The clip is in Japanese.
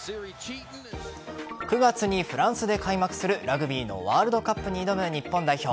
９月にフランスで開幕するラグビーのワールドカップに挑む日本代表。